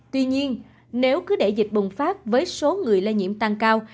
tuy nhiên nếu cứ để dịch bùng phát với số người lây nhiễm tăng cao